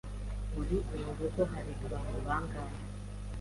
Muri uru rugo hari abantu bangahe?